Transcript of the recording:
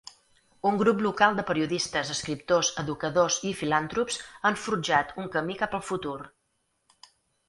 Un grup local de periodistes, escriptors, educadors i filantrops han forjat un camí cap al futur.